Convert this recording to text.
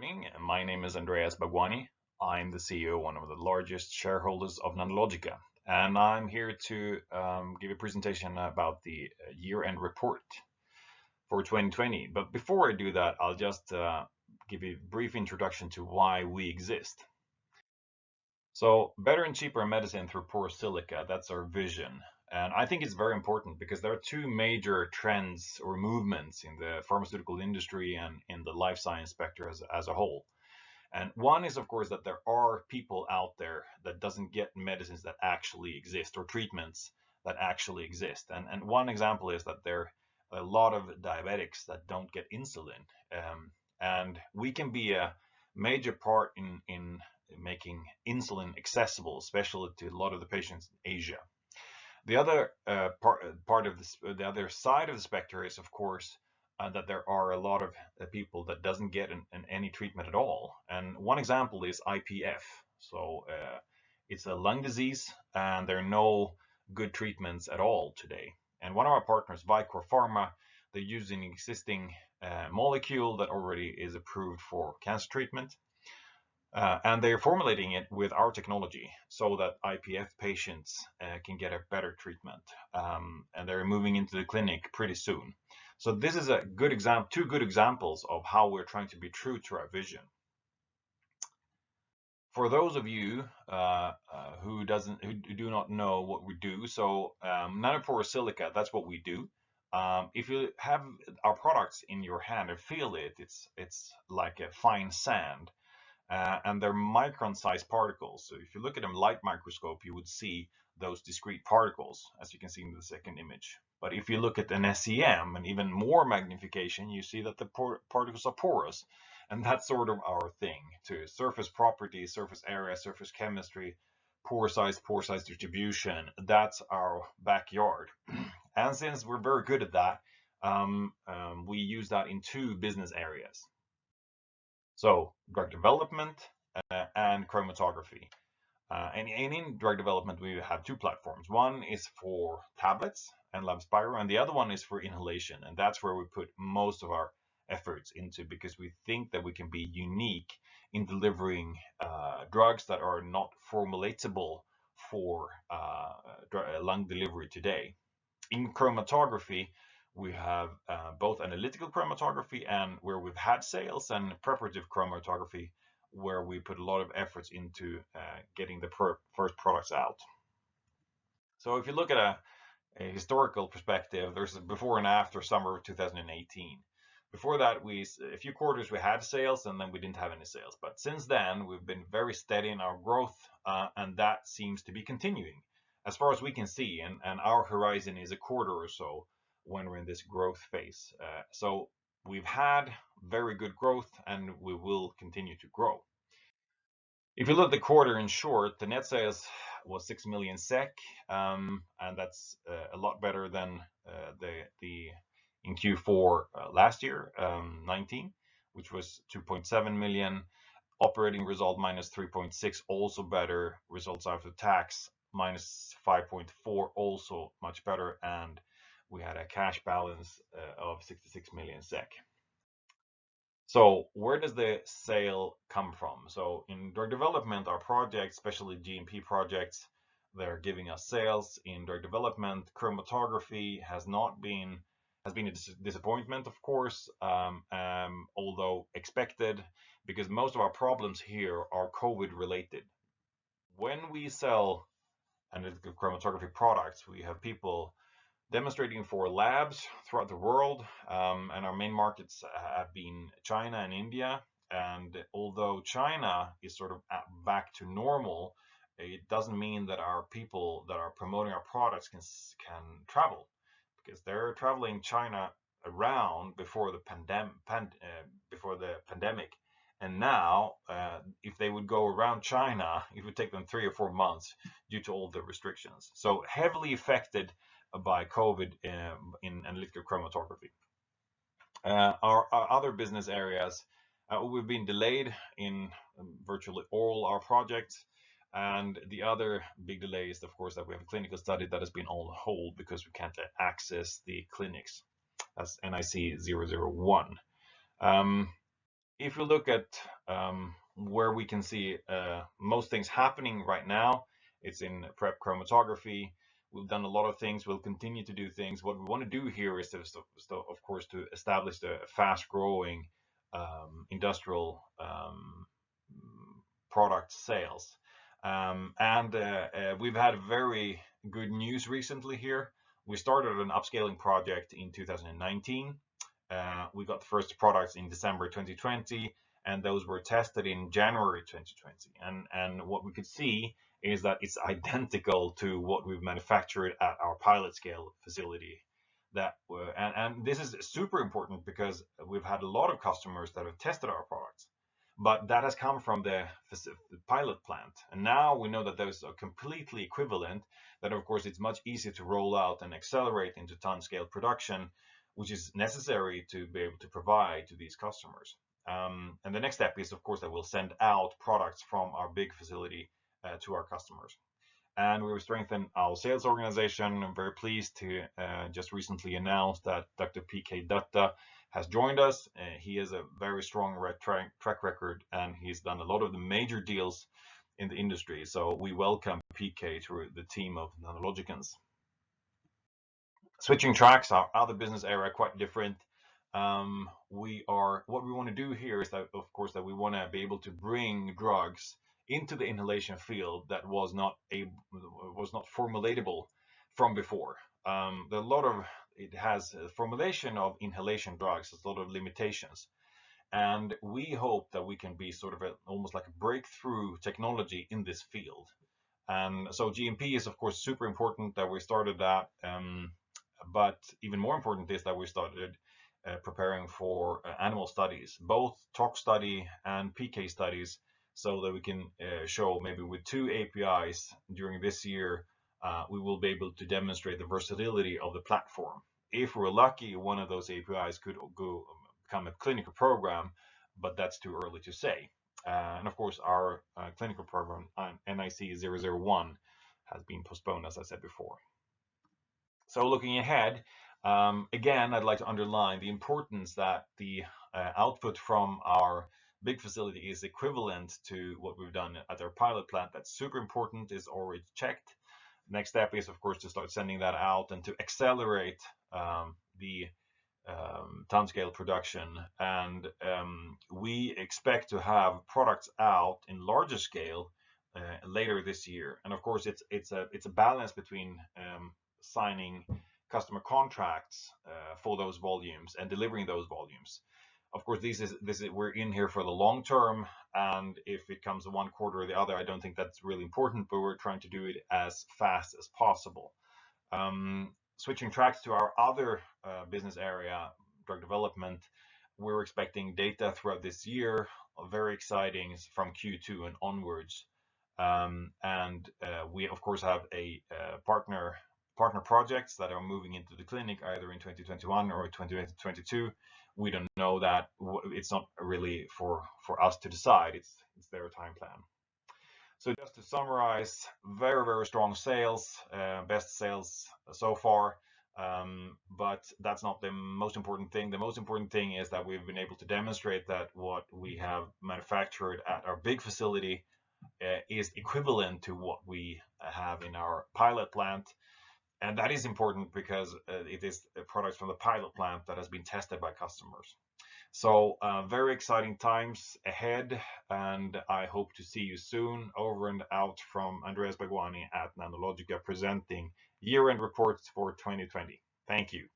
Morning. My name is Andreas Bhagwani. I'm the CEO, one of the largest shareholders of Nanologica, and I'm here to give a presentation about the year-end report for 2020. Before I do that, I'll just give a brief introduction to why we exist. Better and cheaper medicine through porous silica, that's our vision. I think it's very important because there are two major trends or movements in the pharmaceutical industry and in the life science sector as a whole. One is, of course, that there are people out there that doesn't get medicines that actually exist or treatments that actually exist. One example is that there are a lot of diabetics that don't get insulin. We can be a major part in making insulin accessible, especially to a lot of the patients in Asia. The other side of the spectrum is, of course, that there are a lot of people that doesn't get any treatment at all. One example is IPF. It's a lung disease. There are no good treatments at all today. One of our partners, Vicore Pharma, they're using existing molecule that already is approved for cancer treatment. They're formulating it with our technology so that IPF patients can get a better treatment. They're moving into the clinic pretty soon. This is two good examples of how we're trying to be true to our vision. For those of you who do not know what we do, nanoporous silica, that's what we do. If you have our products in your hand and feel it's like a fine sand. They're micron-sized particles. If you look at them light microscope, you would see those discrete particles, as you can see in the second image. If you look at an SEM and even more magnification, you see that the particles are porous. That's sort of our thing to surface property, surface area, surface chemistry, pore size, pore size distribution. That's our backyard. Since we're very good at that, we use that in two business areas. Drug development and chromatography. In drug development, we have two platforms. One is for tablets and NLAB Spiro, and the other one is for inhalation, and that's where we put most of our efforts into because we think that we can be unique in delivering drugs that are not formulatable for lung delivery today. In chromatography, we have both analytical chromatography and where we've had sales and preparative chromatography, where we put a lot of efforts into getting the first products out. If you look at a historical perspective, there's before and after summer of 2018. Before that, a few quarters we had sales, and then we didn't have any sales. Since then, we've been very steady in our growth, and that seems to be continuing as far as we can see, and our horizon is a quarter or so when we're in this growth phase. We've had very good growth, and we will continue to grow. If you look at the quarter, in short, the net sales was 6 million SEK, and that's a lot better than in Q4 last year, 2019, which was 2.7 million. Operating result, -3.6, also better. Results after tax, -5.4, also much better. We had a cash balance of 66 million SEK. Where does the sale come from? In drug development, our projects, especially GMP projects, they're giving us sales in drug development. Chromatography has been a disappointment, of course, although expected, because most of our problems here are COVID-related. When we sell analytical chromatography products, we have people demonstrating for labs throughout the world, and our main markets have been China and India. Although China is sort of back to normal, it doesn't mean that our people that are promoting our products can travel because they're traveling China around before the pandemic. Now, if they would go around China, it would take them three or four months due to all the restrictions. Heavily affected by COVID in analytical chromatography. Our other business areas, we've been delayed in virtually all our projects. The other big delay is, of course, that we have a clinical study that has been on hold because we can't access the clinics. That's NIC-001. If you look at where we can see most things happening right now, it's in prep chromatography. We've done a lot of things. We'll continue to do things. What we want to do here is to, of course, to establish the fast-growing industrial product sales. We've had very good news recently here. We started an upscaling project in 2019. We got the first products in December 2020, and those were tested in January 2020. What we could see is that it's identical to what we've manufactured at our pilot scale facility. This is super important because we've had a lot of customers that have tested our products, but that has come from the pilot plant. Now we know that those are completely equivalent. Of course, it's much easier to roll out and accelerate into ton-scale production, which is necessary to be able to provide to these customers. The next step is, of course, that we'll send out products from our big facility to our customers. We will strengthen our sales organization. I'm very pleased to just recently announce that Dr. P.K. Dutta has joined us. He has a very strong track record, and he's done a lot of the major deals in the industry. We welcome P.K. to the team of Nanologicans. Switching tracks. Our other business areas are quite different. What we want to do here is that, of course, we want to be able to bring drugs into the inhalation field that were not formulatable before. Formulation of inhalation drugs has a lot of limitations, and we hope that we can be almost like a breakthrough technology in this field. GMP is, of course, super important that we started that, but even more important is that we started preparing for animal studies, both Tox study and PK studies, so that we can show maybe with two APIs during this year, we will be able to demonstrate the versatility of the platform. If we're lucky, one of those APIs could become a clinical program, but that's too early to say. Of course, our clinical program, NIC-001, has been postponed, as I said before. Looking ahead, again, I'd like to underline the importance that the output from our big facility is equivalent to what we've done at our pilot plant. That's super important, it's already checked. Next step is, of course, to start sending that out and to accelerate the ton-scale production. We expect to have products out in larger scale later this year. Of course, it's a balance between signing customer contracts for those volumes and delivering those volumes. Of course, we're in here for the long term, and if it comes to one quarter or the other, I don't think that's really important, but we're trying to do it as fast as possible. Switching tracks to our other business area, drug development. We're expecting data throughout this year. Very exciting from Q2 and onwards. We, of course, have partner projects that are moving into the clinic either in 2021 or 2022. We don't know that. It's not really for us to decide. It's their time plan. Just to summarize, very strong sales. Best sales so far. That's not the most important thing. The most important thing is that we've been able to demonstrate that what we have manufactured at our big facility is equivalent to what we have in our pilot plant. That is important because it is a product from the pilot plant that has been tested by customers. Very exciting times ahead, and I hope to see you soon. Over and out from Andreas Bhagwani at Nanologica, presenting year-end reports for 2020. Thank you.